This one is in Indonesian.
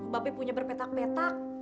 babe punya berpetak petak